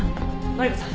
マリコさん